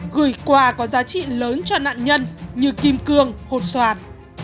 gửi quà có giá trị lớn cho nạn nhân như kim cương hột xoan